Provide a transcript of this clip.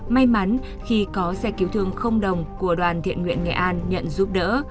may mắn khi có xe cứu thương đồng của đoàn thiện nguyện nghệ an nhận giúp đỡ